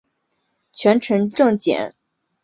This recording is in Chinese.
权臣郑检拥立黎除的后裔黎维邦做皇帝。